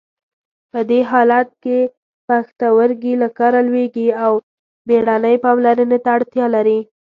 په دې حالت کې پښتورګي له کاره لویږي او بیړنۍ پاملرنې ته اړتیا لري.